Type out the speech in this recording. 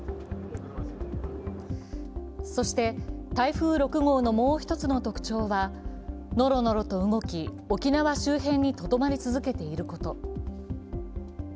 そして、台風６号のもう１つの特徴はノロノロと動き、沖縄周辺にとどまり続けていること。